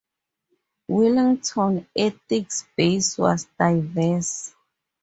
Wellington's ethnic base was diverse.